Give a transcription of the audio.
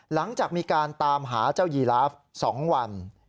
หลังจากมีการตามหาเจ้ายีลาฟ๒วัน